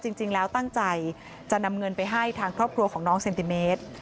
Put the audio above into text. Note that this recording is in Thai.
จริงแล้วตั้งใจจะนำเงินไปให้ทางครอบครัวของน้องเซนติเมตร